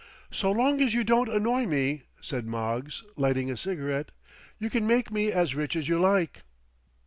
"So long as you don't annoy me," said Moggs, lighting a cigarette, "you can make me as rich as you like."